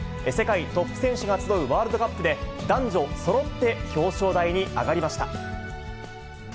世界トップ選手が集うワールドカップで、男女そろって表彰台に上がりました。